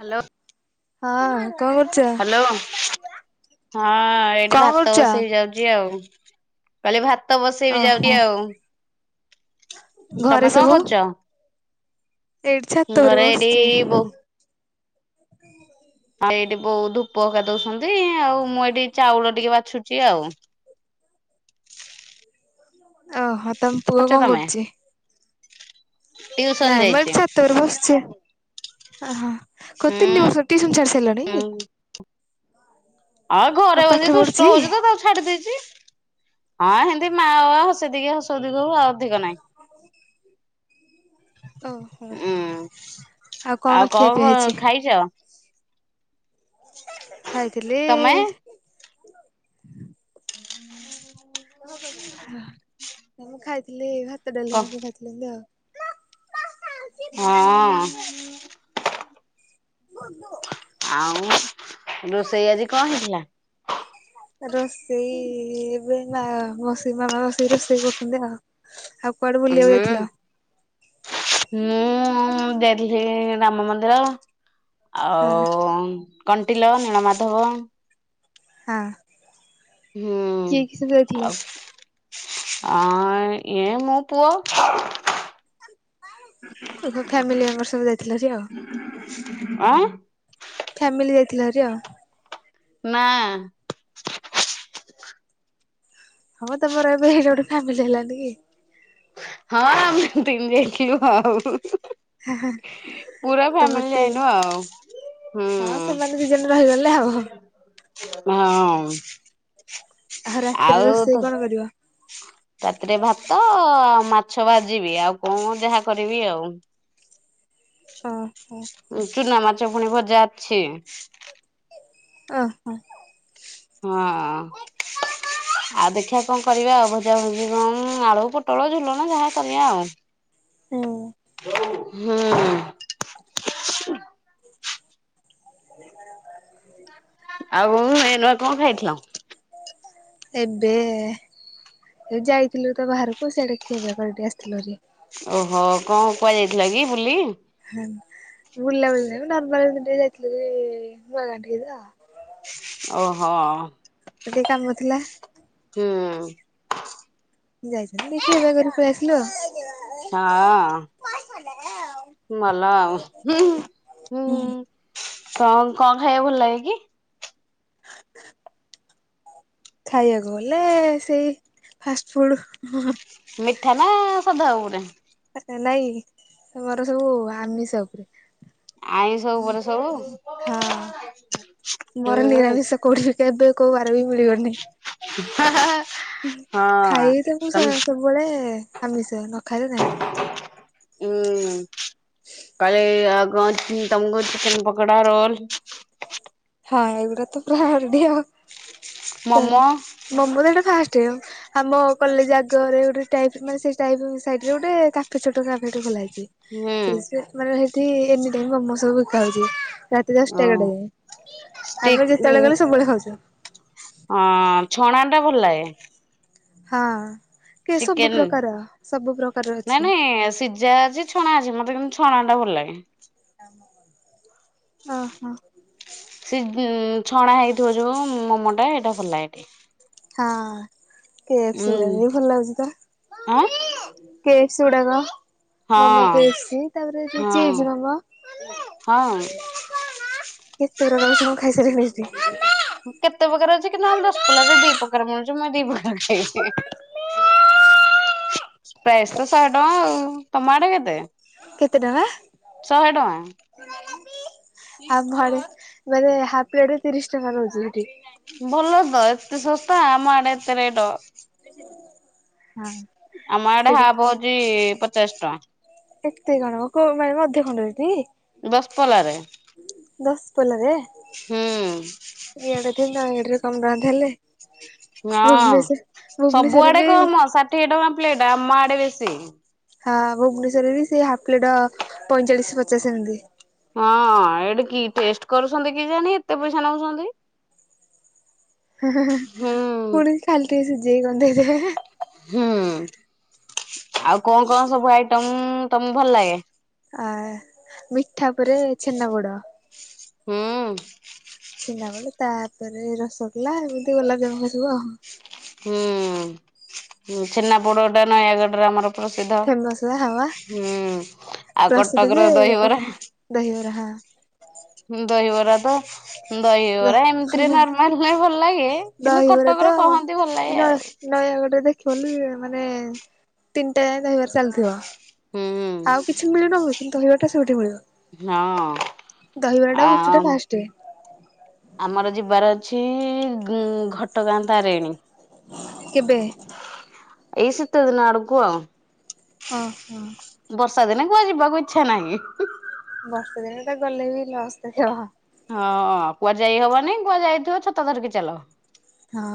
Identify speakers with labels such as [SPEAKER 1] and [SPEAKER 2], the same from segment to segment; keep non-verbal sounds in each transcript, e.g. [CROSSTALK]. [SPEAKER 1] Hello.
[SPEAKER 2] ହଁ କଣ କରୁଚ?
[SPEAKER 1] ହଁ ଏଇଠି ଭାତ ବସେଇ ଯାଉଚି ଆଉ। କହିଲି ଭାତ ବସେଇବି ଯାଉଚି
[SPEAKER 2] ଓହୋ
[SPEAKER 1] ଆଉ।
[SPEAKER 2] ଘରେ
[SPEAKER 1] ତମେ କଣ
[SPEAKER 2] ସବୁ
[SPEAKER 1] କରୁଚ?
[SPEAKER 2] ଏଇଠି ଛାତ ଉପରେ
[SPEAKER 1] ଘରେ ଏଠି
[SPEAKER 2] ବସିଛି
[SPEAKER 1] ବୋଉ ହଁ ଏଇଟି ବୋଉ ଧୂପ [UNINTELLIGIBLE] କା ଦୋଉଚନ୍ତି ଆଉ ମୁଁ ଏଇଠି ଚାଉଳ ଟିକେ ବାଛୁଚି ଆଉ।
[SPEAKER 2] ଓହୋ ତମ ପୁଅ
[SPEAKER 1] କରୁଛ
[SPEAKER 2] କଣ
[SPEAKER 1] ତମେ
[SPEAKER 2] କରୁଚି?
[SPEAKER 1] ଟିଉସନ
[SPEAKER 2] ନାଇ ମୁଁ
[SPEAKER 1] ଯାଇଛି
[SPEAKER 2] ଏଠି ଛା ତ ଉପରେ ବସିଚି। ଆ ହଁ କ‌ଅ ତିନି ବର୍ଷ ଟିଉସନ ଛାଡିସାଇଲଣି?
[SPEAKER 1] ଆଉ ଘରେ
[SPEAKER 2] ପାଠ
[SPEAKER 1] ବସିକି
[SPEAKER 2] ପଢୁଛି?
[SPEAKER 1] ଦୁଷ୍ଟ ହୋଉଚି ତ ତା ଛାଡି ଦେଇଚି। ହଁ ହେମତି ମା, ବାବା ହର୍ସେଇ ଦିର୍ଘେଇ ହର୍ସୋଉ ଦିର୍ଘୋଉ ଆ ଅଧିକ ନାଇଁ।
[SPEAKER 2] ଓହୋ
[SPEAKER 1] ଉଁ ଆଉ
[SPEAKER 2] ଖିଆ
[SPEAKER 1] କଣ
[SPEAKER 2] ପିଆ
[SPEAKER 1] ପୁଅ
[SPEAKER 2] ହେଇଛି?
[SPEAKER 1] ଖାଇଚ?
[SPEAKER 2] ଖାଇଥିଲି
[SPEAKER 1] ତମେ? [INAUDIBLE]
[SPEAKER 2] ମୁଁ ଖାଇଥିଲି ଭାତ, ଡାଲି
[SPEAKER 1] ହଁ
[SPEAKER 2] ହେରିକା ସବୁ ଖାଇଥିଲି ଏମିତି ଆଉ।
[SPEAKER 1] ହଁଅ।
[SPEAKER 2] ବନ୍ଧୁ।
[SPEAKER 1] ଆଉଁ ରୋଷେଇ ଆଜି କଣ ହେଇଥିଲା?
[SPEAKER 2] ରୋଷେଇ ଏବେ ମା ମୋ ସୀମା ମାଉସୀ ରୋଷେଇ କରୁଚନ୍ତି ଆଉ। ଆଉ କୁଆଡେ ବୁଲିବାକୁ
[SPEAKER 1] ହୁଁ
[SPEAKER 2] ଯାଇଥିଲ
[SPEAKER 1] ମୁଁ ଯାଇଥିଲି ରାମ ମନ୍ଦିର।
[SPEAKER 2] ହଁ
[SPEAKER 1] ଆଉ କଣ୍ଟିଲ, ନୀଳମାଧବ।
[SPEAKER 2] ହଁ।
[SPEAKER 1] ହୁଁ
[SPEAKER 2] କିଏ କିଏ ସବୁ ଯାଇଥିଲ?
[SPEAKER 1] ଆଉ ଆଁ ଏ ଇଏ ମୋ ପୁଅ।
[SPEAKER 2] ସବୁ ଫ୍ୟାମିଲି ମେମ୍ବର ସବୁ ଯାଇଥିଲେହାରି ଆଉ।
[SPEAKER 1] ଆଁ
[SPEAKER 2] ଫ୍ୟାମିଲି ଯାଇଥିଲାଭାରି ଆଉ।
[SPEAKER 1] ନାଁ।
[SPEAKER 2] ହଁ ମ ତମର ଏବେ ହେ ଏଇଟା ଗୋଟେ ଫ୍ୟାମିଲି ହେଲାନି କି?
[SPEAKER 1] ହଁ ଆମେ ତିନ୍ [UNINTELLIGIBLE] ଦେଖିବୁ ଆଉ। ପୁରା
[SPEAKER 2] ତମେ
[SPEAKER 1] ଫ୍ୟାମିଲି
[SPEAKER 2] ତି
[SPEAKER 1] ଯାଇନୁ ଆଉ। ହୁଁ
[SPEAKER 2] ହଁ ସେମାନେ ଦି ଜଣ ରହିଗଲେ
[SPEAKER 1] ହଁ।
[SPEAKER 2] ଆଉ।
[SPEAKER 1] [UNINTELLIGIBLE]
[SPEAKER 2] ରାତିରେ
[SPEAKER 1] ଆଉ
[SPEAKER 2] ରୋଷେଇ
[SPEAKER 1] ତୋ
[SPEAKER 2] କଣ କରିବ?
[SPEAKER 1] ରାତିରେ ଭାତ ଆ ମାଛ ଭାଜିବି, ଆଉ କଣ ଯାହା କରିବି ଆଉ।
[SPEAKER 2] ଓହୋ।
[SPEAKER 1] ଚୁନାମାଛ ଫୁଣି ଭଜା ଅଛି।
[SPEAKER 2] ଓହଁ।
[SPEAKER 1] ହଁ। ଆଉ ଦେଖିବା କଣ କରିବା ଆଉ ଭଜା ଭୁଜି କଣ ଆଳୁ, ପୁଟଳ, ଝୁଲଣ ଯାହା କନି ଆଉ।
[SPEAKER 2] ହୁଁ
[SPEAKER 1] ହୁଁ।
[SPEAKER 2] [INAUDIBLE]
[SPEAKER 1] ଆଉ ଏ ନୂକା କଣ ଖାଇଥିଲ?
[SPEAKER 2] ଏବେ ଏ ଯାଇଥିଲୁ ତ ବାହାରକୁ ସିଆଡେ ଖିଆ ପିଆ କରିିକି ଟିକେ ଆସିଥିଲୁଭାରି।
[SPEAKER 1] ଓହୋ କଣ କୁଆଡେ ଯାଇଥିଲ କି ବୁଲି?
[SPEAKER 2] ହେଁ ବୁଲାବୁଲି ନାଇଁମ ନର୍ମାଲ ଏମିତି ଟିକେ ଯାଇଥିଲୁ ଯେ ନୂଆ ଗାଣ୍ଠି [UNINTELLIGIBLE]
[SPEAKER 1] ଓ ହଁ।
[SPEAKER 2] ଆଉ ଟିକେ କାମ ଥିଲା।
[SPEAKER 1] ହୁଁ।
[SPEAKER 2] ଯାଇଛନ୍ତି ଦେଖି ଏ ଘ ପଳେଇ ଆସିଲୁ ଆଉ।
[SPEAKER 1] ହଁ ଭଲ ଆଉ ହୁଁ ଉଁ। କଣ କଣ ଖାଇବା ଭଲ ଲାଗେ କି?
[SPEAKER 2] ଖାଇବାକୁ ଗଲେ ସେଇ ଫାଷ୍ଟ ଫୁଡ।
[SPEAKER 1] ମିଠା ନା ସାଧା ଉପରେ?
[SPEAKER 2] ନାଇଁ ମୋର ସବୁ ଆମିଷ ଉପରେ
[SPEAKER 1] ଆଇଁଷ ଉପରେ ସବୁ
[SPEAKER 2] ହଁ।।
[SPEAKER 1] ହୁଁ
[SPEAKER 2] ମୋର ନିରାମିଷ କୋଠି କେବେ ବାର ବି ମିଳିିବନି
[SPEAKER 1] ହାଁ ହାଁ।
[SPEAKER 2] ଖାଇ ତ ମୁଁ ସବୁବେଳେ ଆମିଷ ନ ଖାଇଲେ ନାହିଁ
[SPEAKER 1] ହୁଁ କହିଲି ତୁମକୁ ଚେକେନ ପକଡ଼ା ରୋଲ୍ଲ
[SPEAKER 2] ହଁ ଏଇଗୁଡା [INAUDIBLE] ଡି
[SPEAKER 1] ମୋମୋ
[SPEAKER 2] ମମ ତ ଏଇଟା ଫାଷ୍ଟ [INAUDIBLE] ଆମ କଲେଜ ଆଗ କରେ ଗୋଟେ ଟାଇପ ମାନ ସେ ଟାଇପ୍ ସଟିରେ ଗୋଟେ ଫି ଛଟା ଖୋଲା
[SPEAKER 1] ହୁଁ
[SPEAKER 2] ହେଇଛି ସେ ହେଠି ଏନି ଟାଇମିଂ ମୋମ ସବୁ ବିକାହୋଛି ରାତି ଦଶ ଟା ଏଗାର ଟା ଯାଏ।
[SPEAKER 1] ଷ୍ଟିକ
[SPEAKER 2] ଖାଉଛୁ।
[SPEAKER 1] ଅ ଛଣା ଟା ଭଲ ଲାଗେ
[SPEAKER 2] ହଁ କି ସବୁ
[SPEAKER 1] ଚିକେନ
[SPEAKER 2] ପ୍ରକାର ସବୁ ପ୍ରକାରର ଅଛି।
[SPEAKER 1] ହେଁ ସି ସିଝା ଅଛି ଛଣା ଅଛି ମତେ କିନ୍ତୁ ଛଣା ଟା ଭଲ ଲାଗେ।
[SPEAKER 2] ଓ ହୋ।
[SPEAKER 1] ସେ ଛଣା ହେଇଥିବ ଯୋଉ ମୋମଟା ହେଇଟା ଭଲ ଟିକେ
[SPEAKER 2] ହଁ କେ ସେଗୁଡା
[SPEAKER 1] ଉଁ
[SPEAKER 2] ଭଲ ଲାଗୁଛି ତ
[SPEAKER 1] ଆଁ
[SPEAKER 2] କେଶ ଗୁଡାକ
[SPEAKER 1] ହଁ
[SPEAKER 2] ମମୋ କେକ୍ ତାପରେ ଚି
[SPEAKER 1] ହଁ।
[SPEAKER 2] ମମ
[SPEAKER 1] ହଁ।
[SPEAKER 2] କେତେ ର ସବୁ ଖାଇସାରିଲଣିି ସେଠି
[SPEAKER 1] କେତେ ପ୍ରକାର ଅଛି କିନ୍ତୁ ଆମ ଦଶ ପୋଲାରେ ଦି ପ୍ରକାର ମିଳୁଛି ମୁଇଁ ଦି ପ୍ରକାର ଖାଇଛି। ପ୍ରାଇସ୍ ତ ଶହେ ଟଙ୍କା ଆଉ ତମ ଆଡେ କେତେ?
[SPEAKER 2] କେତେ ଟଙ୍କା?
[SPEAKER 1] ଶହେ ଟଙ୍କା
[SPEAKER 2] ଆଉ ଘରେ [INAUDIBLE] ମାନେ ହାପ ପ୍ଲେଟ ତିରିଶ ଟଙ୍କା ରହୁଛି ସେଠି
[SPEAKER 1] ଭଲ ତ ଏତେ ଶସ୍ତା ଆମ ଆଡେ ଏତେ ରେଟ।
[SPEAKER 2] ହଁ
[SPEAKER 1] ଆମ ଆଡେ
[SPEAKER 2] ସେଠି
[SPEAKER 1] ହାବ ହଉଛି ପଚାଶ ଟଙ୍କା।
[SPEAKER 2] ଏତେ କଣ [UNINTELLIGIBLE] ଅଧିକ ନେଉଛି।
[SPEAKER 1] ଦଶପଲ୍ଲାରେ
[SPEAKER 2] ଦଶ ପଲାରେ?
[SPEAKER 1] ହୁଁ।
[SPEAKER 2] ଇଆଡ଼େ [INAUDIBLE] କମ ଟଙ୍କା ଥିଲେ।
[SPEAKER 1] ହଁ
[SPEAKER 2] ଭୁବନେଶ୍ଵରରେ
[SPEAKER 1] ସବୁଆଡେ
[SPEAKER 2] ବି
[SPEAKER 1] କମ ଷାଠିଏ ଟଙ୍କା ପ୍ଲେଟ ଆମ ଆଡେ ବେଶୀ।
[SPEAKER 2] ହଁ ଭୁବନେଶ୍ୱର ବି ସେ ହାଫ୍ ପ୍ଲେଟ ପଇଁଚାଳିଶ ପଚାଶ ଏମତି
[SPEAKER 1] ହଁ ଏଠି କି ଟେଷ୍ଟ କରୁଛନ୍ତି କି ଜାଣି ଏତେ ପଇସା ନଉଛନ୍ତି
[SPEAKER 2] ହେଁ ହେଁ
[SPEAKER 1] ହୁଁ
[SPEAKER 2] ଫୁଣି ଖାଲି ଟିକେ ସିଜେଇ [INAUDIBLE] ହେଁ ହେଁ।
[SPEAKER 1] ହୁଁ ଆଉ କଣ କଣ ସବୁ ଆଇଟମ ତମକୁ ଭଲ ଲାଗେ?
[SPEAKER 2] ଆ ମିଠା ଉପରେ ଛେନା ପୋଡ଼।
[SPEAKER 1] ହୁଁ।।
[SPEAKER 2] ଛେନା ବେଳେ ତାପରେ ରସଗୋଲା ଏମିତି ଗଲାପ ଜାମୁ ସବୁ ଆଉ।
[SPEAKER 1] ହୁଁ ଛେନା ପୋଡ ଟା ନୟାଗଡ଼ ରେ ଆମର ପ୍ରସିଦ୍ଧ
[SPEAKER 2] ଫେମସ୍ ବା ହାୱା
[SPEAKER 1] ହୁଁ ଆଉ
[SPEAKER 2] ପ୍ରସିଦ୍ଧ ଯେ
[SPEAKER 1] କଟକର ଦହିବରା?
[SPEAKER 2] ଦହିବରା ହଁ।
[SPEAKER 1] ଦହିବରା ତ। ଦହିବରା ଏମିତିରେ ନର୍ମାଲ ନହଲେ ଭଲ ଲାଗେ କିନ୍ତୁ କଟକର କହନ୍ତି ଭଲ ଲାଗେ ଆଉ।
[SPEAKER 2] ନୟାଗଡ଼ ରେ ଦେଖିବ ବୋଲି ମାନେ ତିନି ଟା ଯାଏ ଦହିବାର ଚାଲିଥିବ।
[SPEAKER 1] [INAUDIBLE]
[SPEAKER 2] ଆଉ କିଛି ମିଳୁ ନ ମିଳୁ କିନ୍ତୁ ଦହିବରା ଟା ସବୁଠି ମିଳିବ।
[SPEAKER 1] ହଁ
[SPEAKER 2] ଦହିବରା ଟା ଗୁପଚୁପ୍ ଟା
[SPEAKER 1] ଆମ୍
[SPEAKER 2] ଫାଷ୍ଟ
[SPEAKER 1] ଆମର ଯିବାର ଅଛି ଉଁ ଘଟଗାଁ ତାରେଣୀ।
[SPEAKER 2] କେବେ?
[SPEAKER 1] ଏଇ ସିତ ଦନ ଆଡକୁ ଆଉ
[SPEAKER 2] ଓହୋ।
[SPEAKER 1] ବର୍ଷା ଦିନେ କୁଆ ଯିବାକୁ ଇଚ୍ଛା ନାହିଁ।
[SPEAKER 2] ବର୍ଷେ ଦିନ ତ ଗଲେ ବି ଲସ୍ ଦେଖେଇବ।
[SPEAKER 1] ହଁ କୁଆ ଯାଇହବନି କୁଆ ଯାଇଥିବ ଛତା ଧରିକି ଚାଲ।
[SPEAKER 2] ହଁ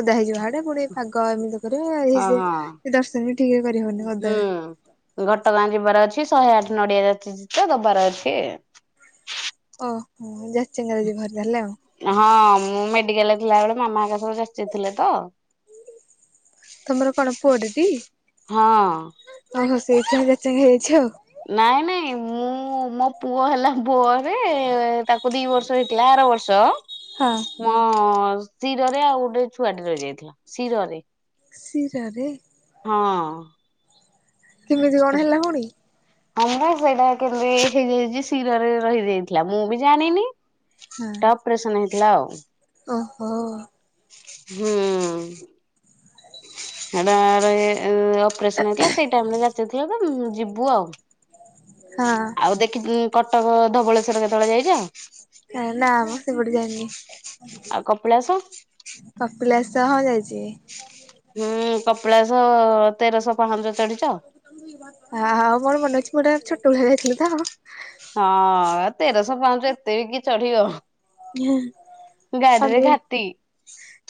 [SPEAKER 2] ଓଦା ହେଇଯିବ ହାଡେ। ପୁଣି ପାଗ ଏମିତି କରିବ
[SPEAKER 1] ହଁ
[SPEAKER 2] ସେ
[SPEAKER 1] ହଁ
[SPEAKER 2] ଦର୍ଶନ ବି ଠିକ୍ ରେ କରିହବନି ଓଦା।
[SPEAKER 1] ହୁଁ। ଘଟଗାଁ ଯିବାର ଅଛି ଶହେ ଆଠ ନଡିଆ ଯାଚିଛି ତ ଦବାର ଅଛି।
[SPEAKER 2] ଓହୋ ଯଚେଙ୍ଗା ଜୀବ ହେରି ତା ହେଲେ ଆଉ।
[SPEAKER 1] ହଁ ମୁଁ ମେଡିକାଲରେ ଥିଲାବେଳେ ମାମା ହକା ସବୁ ଯାଚି ଥିଲେ ତ।
[SPEAKER 2] ତମର କଣ ପୁଅଟେ ଟି?
[SPEAKER 1] ହଁ।
[SPEAKER 2] ଓହୋ ସେଇଥିପାଇଁ ଯାଚେଙ୍ଗା ହେଇଯାଇଛି ଆଉ
[SPEAKER 1] ନାଇଁ ନାଇଁ ମୁଁ ମୋ ପୁଅ ହେଲା ପରେ ତାକୁ ତାକୁ ଦି ବର୍ଷ ହେଇଥିଲା ଆର ବର୍ଷ।
[SPEAKER 2] ହଁ
[SPEAKER 1] ମୋ ଶିରରେ ଆଉ ଗୋଟେ ଛୁଆ ଟେ ରହି ଯାଇଥିଲା ଶିରରେ।
[SPEAKER 2] ସୀରରେ?
[SPEAKER 1] ହଁ।
[SPEAKER 2] କେମିତି କଣ ହେଲା ଫୁଣି?
[SPEAKER 1] ହମୁଁ ସେଇଟା କେମତି ହେଇଯାଇଛି ଶିରରେ ରହିଯାଇଥିଲା ମୁଁ ବି ଜାଣିନି।
[SPEAKER 2] ହୁଁ।
[SPEAKER 1] ଅପରେସନ୍ ହେଇଥିଲା ଆଉ।
[SPEAKER 2] ଓହୋ।
[SPEAKER 1] ହୁଁ। ହେଟା ଆ ରେ ଅପରେସନ ହେଇଥିଲା ସେଇ ଟାଇମରେ ଯାଚିଥିଲା ତ ଯିବୁ ଆଉ।
[SPEAKER 2] ହଁ
[SPEAKER 1] ଆଉ ଦେଖି କଟକ ଧବଳେଶ୍ଵର କେତେବେଳେ ଯାଇଛ?
[SPEAKER 2] କାଇ ନାମ୍ ମୁଁ ସେପଟେ ଜାଇନି
[SPEAKER 1] ଆଉ କପିଳାସ?
[SPEAKER 2] କପିଳାଶ ହଁ ଯାଇଛି।
[SPEAKER 1] ହୁଁ କପିଳାଶ ତେରଶହ ପାହନ୍ଦ ଚଢିଛ?
[SPEAKER 2] ହଁ ହଁ ମୋର ମନେ ଅଛି ଛୋଟ ବେଳେ ଯାଇଥିଲୁ ତ।
[SPEAKER 1] ହଁ ତେରଶପାହଞ୍ଚ ଏତେ କିଏ ଚଢିବ? ଗାଡିରେ
[SPEAKER 2] ଆମେ
[SPEAKER 1] ଘାଟି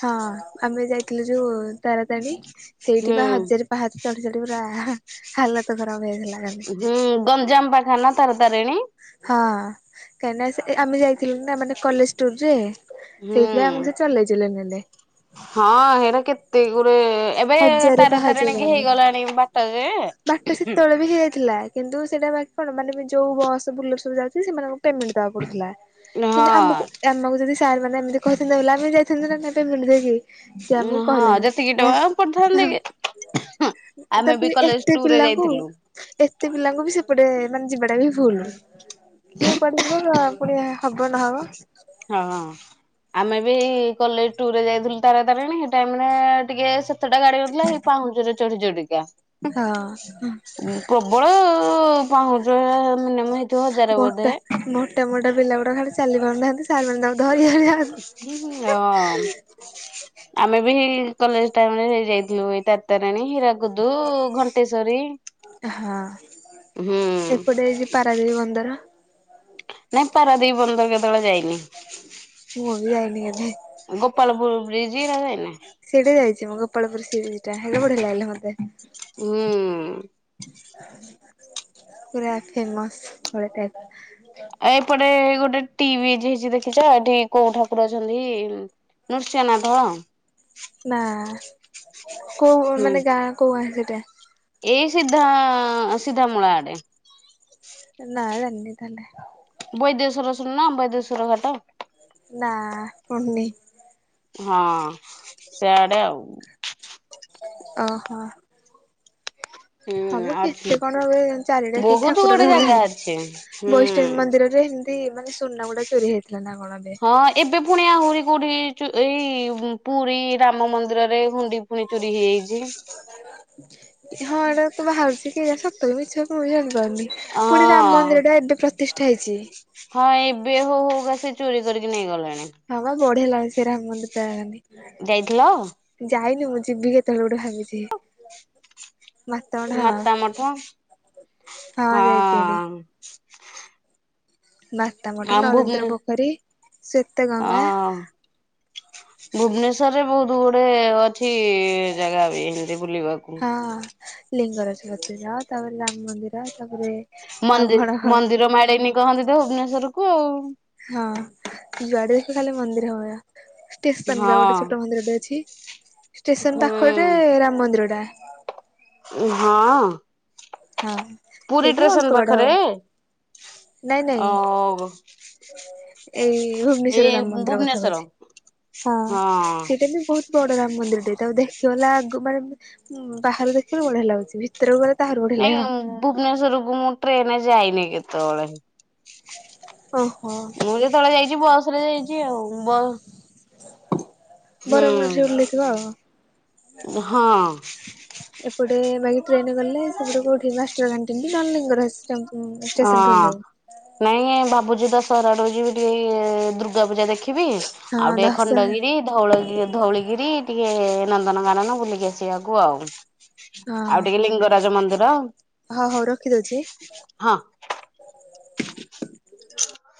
[SPEAKER 2] ହଁ ଆମେ ଯାଇଥିଲୁ ଯୋଉ ତାରାତାରେଣୀ ସେଇଠି
[SPEAKER 1] ହୁଁ
[SPEAKER 2] ବା ହଜାର ପାହାଚ ଚଢି ଚଢି ପୁରା ହାଲତ ଖରାପ ହେଇଯାଇଥିଲା ଖାଲି।
[SPEAKER 1] ହୁଁ ଗଞ୍ଜାମ ପାଖାନା ତାର ତାରିଣୀ?
[SPEAKER 2] ହଁ କାହିଁକି ନା ସେ ଆମେ ଯାଇଥିଲୁ ନା ମାନେ କଲେଜ ଟୁର ରେ, ସେ ସେ
[SPEAKER 1] ହୁଁ।
[SPEAKER 2] ଆମକୁ ଚଲେଇ ଚଲେଇ ନେଲେ।
[SPEAKER 1] ହଁ ହେଇରା କେତେ ଗୁଡେ ଏବେ
[SPEAKER 2] ହଜାରେ ପାହାଚ
[SPEAKER 1] ତାରତାରିଣୀ କି
[SPEAKER 2] କାଲି।
[SPEAKER 1] ହେଇଗଲାଣି ବାଟ ଯେ
[SPEAKER 2] ବାଟ ସେତେବେଳେ ବି ହେଇଥିଲା। କିନ୍ତୁ ସେଇଟା ବାକି କଣ ମାନେ ଯୋଉ ବସ ବୁଲିଆକୁ ସବୁ ଯାଉଛି, ସେମାନଙ୍କୁ ପେମେଣ୍ଟ ଦବାକୁ ପଡୁଥିଲା। କିନ୍ତୁ
[SPEAKER 1] ହଁ
[SPEAKER 2] ଆମକୁ ଆମକୁ ଯଦି ସାର୍ ମାନେ ଏମିତି କହିଥାନ୍ତେ ବଲେ, ଆମେ ଯାଇଥାନ୍ତୁ ନା [UNINTELLIGIBLE] ସିଏ ଆମକୁ
[SPEAKER 1] ହଁ
[SPEAKER 2] କହିଲେନି
[SPEAKER 1] ଯେତିକି ଟଙ୍କା
[SPEAKER 2] [UNINTELLIGIBLE]
[SPEAKER 1] ପଡିଥାନ୍ତା
[SPEAKER 2] ହଁ
[SPEAKER 1] କି ଆମେ ବି
[SPEAKER 2] ତାପରେ
[SPEAKER 1] କଲେଜ
[SPEAKER 2] ଏତେ
[SPEAKER 1] ଟୁରେ
[SPEAKER 2] ପିଲାଙ୍କୁ
[SPEAKER 1] ଯାଇଥିଲୁ
[SPEAKER 2] ଏତେ ପିଲାଙ୍କୁ ବି ସେପଟେ ମାନେ ଯିବାଟା ବି ଭୁଲ। କିଏ କୁଆଡେ ଯିବ ପୁଣି ହବ ନହବ।
[SPEAKER 1] ହଁ। ଆମେ ବି କଲେଜ୍ ଟୁୁର ରେ ଯାଇଥିଲୁ ତାରାତାରିଣୀ, ସେ ଟାଇମରେ ଟିକେ ସେ ସେଇଟାରେ ଗାଡି ଉଠିଲା ହେ ପାହୁଞ୍ଚଚରେ ଚଢି ଚଢିକା।
[SPEAKER 2] ହଁ।
[SPEAKER 1] ବଳ ପାହୁଁଛ
[SPEAKER 2] ମୋଟା ମୋଟା ମୋଟା ପିଲା ଗୁଡା ଖାଲି ଚାଲି ପାରୁନାହାନ୍ତି, ସାର୍ ମାନେ ତାକୁ ଧରି ଧରି [UNINTELLIGIBLE]
[SPEAKER 1] ହଁ। ଆମେ ବି କଲେଜ ଟାଇମରେ ହେଇଯାଇଥିଲୁ ଏଇ ତାରତାରାଣୀ, ହୀରା କୁଦୁ, ଘଣ୍ଟେଶ୍ଵରୀ ହୁଁ।
[SPEAKER 2] ପାରାଦ୍ଵୀପ ବନ୍ଦର।
[SPEAKER 1] ନାଇଁ ପାରାଦ୍ଵୀପ ବନ୍ଦର କେତେବେଳେ ଯାଇନି?
[SPEAKER 2] ମୁଁ ବି ଯାଇନି କେବେ।
[SPEAKER 1] ଗୋପାଳପୁର ବ୍ରିଜି ଏଇରା ଯାଇନା?
[SPEAKER 2] ସିଟା ଯାଇଛି ମୁଁ ଗୋପାଳପୁର ସି ବିଚ୍ ଟା, ହେଇଟା ବଢିଆ ଲାଗିଲା ମତେ।
[SPEAKER 1] ହୁଁ।
[SPEAKER 2] ପୁରା ଫେମସ [UNINTELLIGIBLE]
[SPEAKER 1] ଆ ଏପଟେ ଗୋଟେ ଟି ବ୍ରିଜ ହେଇଛି ଦେଖିଛ, ଏଠି କୋଉ ଠାକୁର ଅଛନ୍ତି? ନୃସିଂହନାଥ।
[SPEAKER 2] ନାଁ କୋଉ କୋଉ
[SPEAKER 1] ହୁଁ
[SPEAKER 2] ମାନେ ଗାଁ କୋଉ ଗାଁ ସେଟା?
[SPEAKER 1] ଏଇ ସିଧା ସିଧାମୁଳା ଆଡେ।
[SPEAKER 2] ନା ଜାଣିନି ତାହେଲେ।
[SPEAKER 1] ବୈଦେଶ୍ୱର ଶୁଣ ନ ବୈଦେଶ୍ୱର ଘାଟ?
[SPEAKER 2] ନା ଶୁଣିନି।
[SPEAKER 1] ହଁ ସିଆଡେ ଆଉ।
[SPEAKER 2] ଓ ହୋ।
[SPEAKER 1] ହୁଁ।
[SPEAKER 2] ହଁ ମ
[SPEAKER 1] ଅଛି
[SPEAKER 2] କେତେ କଣ [UNINTELLIGIBLE] ଚାରିଆଡେ ଖାଲି
[SPEAKER 1] ବହୁତ
[SPEAKER 2] ଠାକୁର
[SPEAKER 1] ଗୁଡେ ଜାଗା
[SPEAKER 2] ରହିଲେଣି,
[SPEAKER 1] ଅଛି ହୁଁ।
[SPEAKER 2] ବୈଷ୍ଣବୀ ମନ୍ଦିରରେ ସେ ମାନେ ସୁନା ଗୁଡା ଚୋରି ହେଇଥିଲା ନା କଣ ଏବେ?
[SPEAKER 1] ଅଁ ଏବେ ପୁଣି ଆହୁରି କୋଉଠି, ଏଇ ପୁରୀ ରାମ ମନ୍ଦିରରେ ହୁଣ୍ଡି ପୁଣି ଚୋରି ହେଇଯାଇଛି।
[SPEAKER 2] ହଁ ଏଟା ତ ବାହାରୁଚି କି ଏଟା ସତ କି ମିଛ? ମୁଁ ଜାଣି ପାରୁନି, ପୁଣି ରାମ
[SPEAKER 1] ହଁ।
[SPEAKER 2] ମନ୍ଦିରଟା ଏବେ ପ୍ରତିଷ୍ଠା ହେଇଛି।
[SPEAKER 1] ହଁ ଏବେ ହଉ ହଉକା ସେ ଚୋରି କରିକି ନେଇ ଗଲେଣି।
[SPEAKER 2] ହଁ ବା ବଢିଆ ଲାଗୁଛି ରାମ ମନ୍ଦିର
[SPEAKER 1] ଯାଇଥିଲ
[SPEAKER 2] ଟା ଯାଇନି ମୁଁ ଯିବି କେତେବେଳେ ଗୋଟେ ଭାବିଛି। ମାତଣ ହଁ
[SPEAKER 1] ମାତା ମଠ ହଁ
[SPEAKER 2] ହଁ ଯାଇଥିଲି
[SPEAKER 1] ହ [INAUDIBLE]
[SPEAKER 2] ମାତା ମଠ ନରେନ୍ଦ୍ର ପୋଖରୀ ଶ୍ଵେତ ଗଙ୍ଗା
[SPEAKER 1] ହଁ ଭୁବନେଶ୍ଵରରେ ବହୁତ ଗୁଡେ ଅଛି ଜାଗା ବି ଏନ୍ତେ ବୁଲିବାକୁ।
[SPEAKER 2] ହଁ। ଲିଙ୍ଗରାଜ ମନ୍ଦିର, ତାପରେ ରାମ ମନ୍ଦିର ତାପରେ ଆଉ
[SPEAKER 1] ମନ୍ଦି
[SPEAKER 2] କଣ କଣ
[SPEAKER 1] ମନ୍ଦିର ମାଳୀନି କହନ୍ତି ତ ଭୁବନେଶ୍ଵର କୁ ଆଉ।
[SPEAKER 2] ହଁ ଯୁଆଡେ ଦେଖି ଖାଲି ମନ୍ଦିର ମୟ। ଷ୍ଟେସନ ଠି ଗୋଟେ ଛୋଟ ମନ୍ଦିରଟେ ଅଛି,
[SPEAKER 1] ହଁ
[SPEAKER 2] ଷ୍ଟେସନ ପାଖରେ ରାମ ମନ୍ଦିର ଟା।
[SPEAKER 1] ହଁ।
[SPEAKER 2] ହଁ
[SPEAKER 1] ପୁରୀ
[SPEAKER 2] ସେଇଠୁ
[SPEAKER 1] ଷ୍ଟେସନ
[SPEAKER 2] ଅଳ୍ପ ବାଟ
[SPEAKER 1] ପାଖରେ
[SPEAKER 2] ହବ ନାଇଁ
[SPEAKER 1] ଅ
[SPEAKER 2] ନାଇଁ ଏଇ ଭୁବନେଶ୍ଵର
[SPEAKER 1] ଏଇ
[SPEAKER 2] ରାମ ମନ୍ଦିର କଥା
[SPEAKER 1] ଭୁବନେଶ୍ଵର
[SPEAKER 2] କହୁଛି, ହଁ ସେଇଟା ବି ବହୁତ ବଡ ରାମ ମନ୍ଦିର ଟେ, ତା ଦେଖିବାଲା ଆଗ ମାନେ ବାହାରୁ ଦେଖିବାଲେ ବଢି ହେଲା ଲାଗୁଛି ଭିତରକୁ ଗଲେ ତା
[SPEAKER 1] ନାଇଁ ଭୁବନେଶ୍ଵର କୁ ମୁଁ ଟ୍ରେନ ରେ ଯାଇନି କେତେବେଳେ।
[SPEAKER 2] ଓହୋ
[SPEAKER 1] ମୁଁ ଯେତେବେଳେ ଯାଇଛି ବସ ରେ ଯାଇଛି ଆଉ ବ
[SPEAKER 2] ବରମୁଣ୍ଡାଠି ଓହ୍ଲେଇଥିବ ଆଉ।
[SPEAKER 1] ହୁଁ ହଁ
[SPEAKER 2] ସେପଟେ ବାକି ଟ୍ରେନେ ଗଲେ ସେପଟେ କୋଉଠି ମାଷ୍ଟର କାନ ନଲିଙ୍ଗରଷ୍ଟମ୍
[SPEAKER 1] ହଁ ନାଇଁ ଭାବୁଚିତ ଦଶହରା ଆଡକୁ ଯିବ ଟିକେ ଦୁର୍ଗା ପୂଜା ଦେଖିବି
[SPEAKER 2] ହଁ
[SPEAKER 1] ଆଉ ଟିକେ
[SPEAKER 2] ଦଶ
[SPEAKER 1] ଖଣ୍ଡଗିରି ଧଉଳିିଗିରି ଧଉଳିଗିରି ଟିକେ ନନ୍ଦନ କାନନ ବୁଲିକି ଆସିବାକୁ ଆଉ ଆଉ ଟିକେ ଲିଙ୍ଗରାଜ ମନ୍ଦିର
[SPEAKER 2] ହଁ ହଉ ରଖିଦଉଛି।
[SPEAKER 1] ହଁ